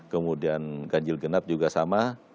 kemudian ganjil genap juga sama